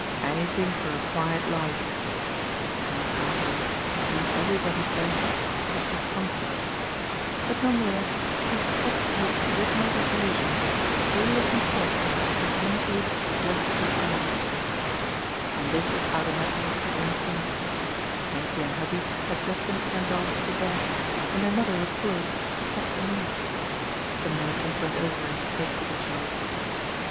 *^ Any thing for a quite life," said this Town Councilor, to whom everybody bent except his consort, but none the less, he stuck to his original resolution that Elias himself should indicate what he preferred. And this was how the matter was settled. They were alone together in the twilight, after dinner, the father and son. Henkie and Hubbie had just been sent off to bed, and their mother had followed " to tuck them in." The merchant went over and spoke to the child.